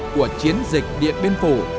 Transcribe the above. của chiến dịch điện biên phủ